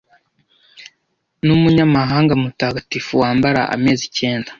numunyamahanga mutagatifu wambara amezi icyenda